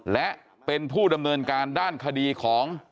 และเป็นผู้ดำเนินการด้านคดีของ